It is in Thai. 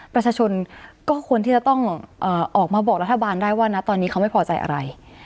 ประชาชนก็ควรที่จะต้องออกมาบอกรัฐบาลได้ว่านะตอนนี้เขาไม่พอใจอะไร